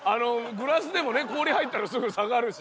グラスでもね氷入ったらすぐ下がるし。